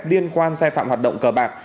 liên quan sai phạm hoạt động cờ bạc